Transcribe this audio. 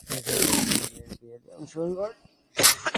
ওরা সবাই এখন উনার মেয়ের বিয়েতে অংশগ্রহণ করছে।